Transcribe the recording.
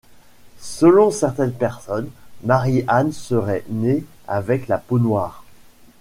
Selon certaines personnes, Marie-Anne serait née avec la peau noire.